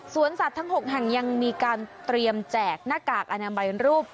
สัตว์ทั้ง๖แห่งยังมีการเตรียมแจกหน้ากากอนามัยรูป